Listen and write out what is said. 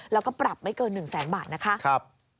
แล้วก็ปรับไม่เกิน๑แสนบาทนะคะ